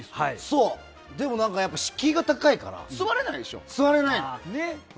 でも、敷居が高いから座れないの。